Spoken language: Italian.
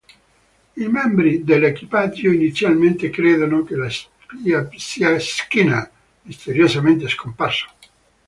I membri dell'equipaggio inizialmente credono che la spia sia Skinner, misteriosamente scomparso.